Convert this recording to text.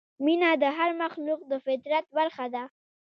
مینه د هر مخلوق د فطرت برخه ده.